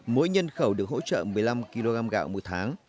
mỗi nhân khẩu được hỗ trợ một mươi năm kg gạo một tháng